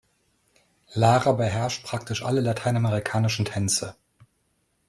Lara beherrscht praktisch alle lateinamerikanischen Tänze.